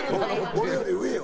俺より上よ。